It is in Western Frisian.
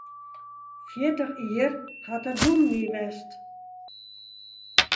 Fjirtich jier hat er dûmny west.